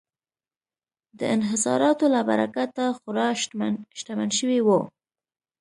د انحصاراتو له برکته خورا شتمن شوي وو.